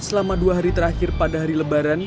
selama dua hari terakhir pada hari lebaran